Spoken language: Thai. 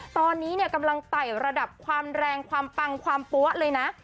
ตอนนี้เนี่ยกำลังไต่ระดับความแรงความปังความปั๊วเลยนะ